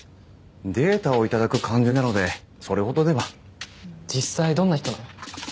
データをいただく感じなのでそれほどでは実際どんな人なの？